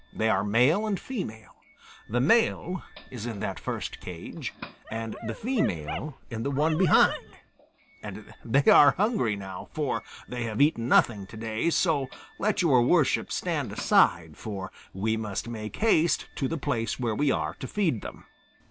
They are male and female; the male is in that first cage and the female in the one behind, and they are hungry now, for they have eaten nothing to day, so let your worship stand aside, for we must make haste to the place where we are to feed them."